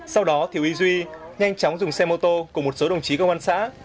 sau đó thiệu úy duy nhanh chóng dùng xe mô tô cùng một số đồng chí công an xã